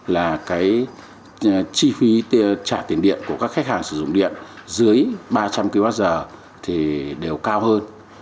là cái chi phí trả tiền điện của các khách hàng sử dụng điện dưới ba trăm linh kwh thì đều cao hơn